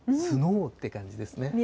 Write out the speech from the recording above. スノーって感じですね。